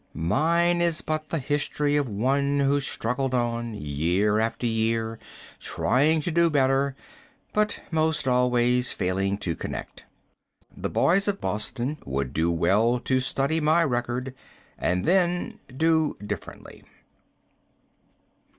Mine is but the history of one who struggled on year after year, trying to do better, but most always failing to connect. The boys of Boston would do well to study carefully my record and then do differently.